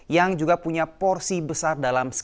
yang juga punya porsi besar dalam